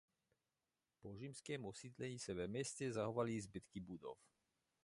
Po římském osídlení se ve městě zachovaly zbytky budov.